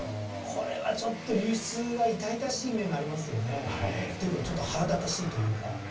これはちょっと流出は痛々しい面がありますよね。というかちょっと腹立たしいというか。